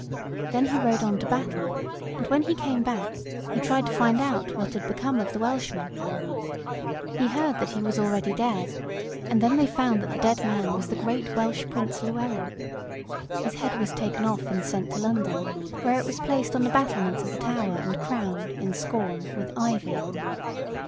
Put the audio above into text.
Then he rode on to battle, and when he came back he tried to find out what had become of the Welshman. He heard that he was already dead, and then they found that the dead man was the great Welsh Prince Llewellyn. His head was taken off and sent to London, where it was placed on the battlements of the Tower and crowned, in scorn, with ivy.